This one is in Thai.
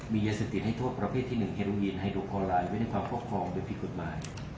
มียาเสพติดให้โทษประเภทที่๑เฮลูอีนไฮโดคอลายไว้ในความควบความพิกฎหมาย